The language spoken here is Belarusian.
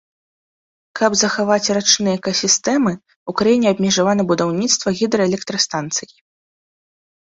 Каб захаваць рачныя экасістэмы, у краіне абмежавана будаўніцтва гідраэлектрастанцый.